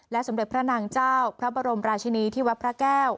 สมเด็จพระนางเจ้าพระบรมราชินีที่วัดพระแก้ว